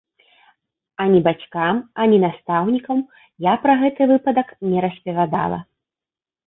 Ані бацькам, ані настаўнікам я пра гэты выпадак не распавядала.